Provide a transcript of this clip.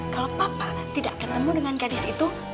kalau papa tidak ketemu dengan gadis itu